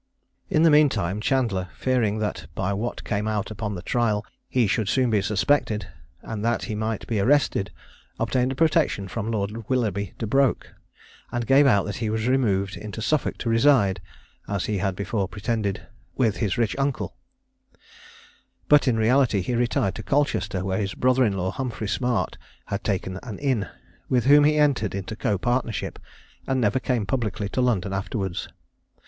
In the mean time, Chandler, fearing that by what came out upon the trial he should soon be suspected, and that he might be arrested, obtained a protection from Lord Willoughby de Broke, and gave out that he was removed into Suffolk to reside, as he had before pretended, with his rich uncle; but in reality he retired to Colchester, where his brother in law, Humphry Smart, had taken an inn, with whom he entered into copartnership, and never came publicly to London afterwards.